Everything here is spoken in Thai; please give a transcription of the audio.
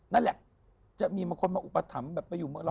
นั่นแหละจะมีคนมาอุปถัมธ์